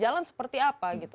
jalan seperti apa